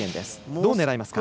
どう狙いますか。